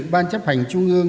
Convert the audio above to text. ban chấp hành trung ương